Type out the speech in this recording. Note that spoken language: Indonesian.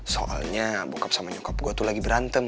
soalnya buka sama nyokap gue tuh lagi berantem